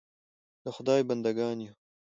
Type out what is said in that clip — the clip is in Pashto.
د خدای بنده ګان یو .